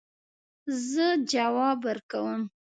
زه ځواب ورکوم